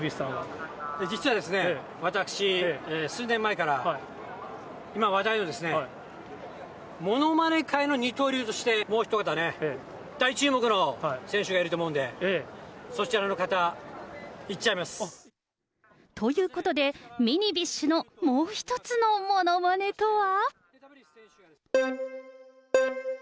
実はですね、私、数年前から今、話題のですね、ものまね界の二刀流として、もうひと方ね、大注目の選手がいると思うんで、そちらの方、ということで、ミニビッシュのもう一つのものまねとは。